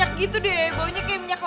kita harus seberangi minyak ini